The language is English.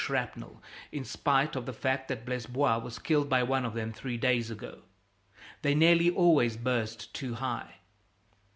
shrapnel, in spite of the fact that Blesbois was killed by one of them three days ago. They nearly always burst too high.